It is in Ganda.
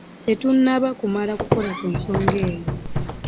Tetunnaba kumala kukola ku nsonga eyo.